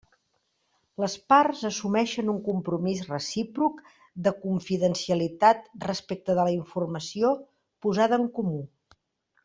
Les parts assumeixen un compromís recíproc de confidencialitat respecte de la informació posada en comú.